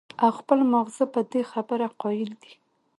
او خپل مازغۀ پۀ دې خبره قائل کړي